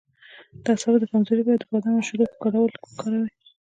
د اعصابو د کمزوری لپاره د بادام او شیدو ګډول وکاروئ